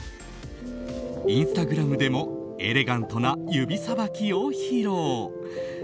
インスタグラムでもエレガントな指さばきを披露。